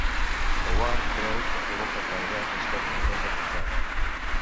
Que Ward creu que provoca que el vers es torni més "aprosat".